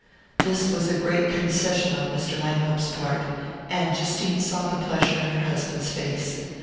This was a great concession on Mr. Langhope's part, and Justine saw the pleasure in her husband's face.